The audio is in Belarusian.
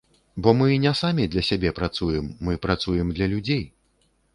Бо мы не самі для сябе працуем, мы працуем для людзей.